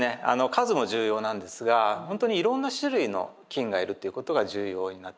数も重要なんですが本当にいろんな種類の菌がいるということが重要になってくる。